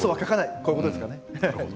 こういうことですかね。